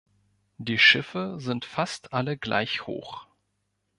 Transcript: Die Schiffe sind fast alle gleich hoch.